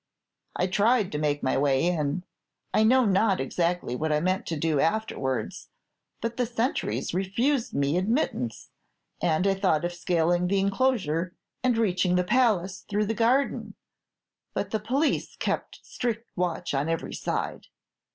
"I tried to make my way in, I know not exactly what I meant to do afterwards; but the sentries refused me admittance. I thought of scaling the enclosure, and reaching the Palace through the garden; but the police kept strict watch on every side.